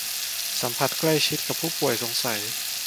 สัมผัสใกล้ชิดกับผู้ป่วยสงสัย